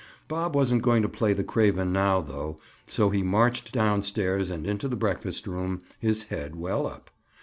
Bob wasn't going to play the craven now, though, so he marched down stairs and into the breakfast room, his head well up.